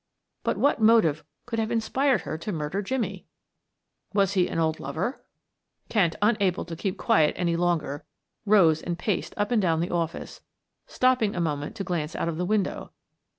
But what motive could have inspired her to murder Jimmie? Was he an old lover Kent, unable to keep quiet any longer, rose and paced up and down the office, stopping a moment to glance out of the window.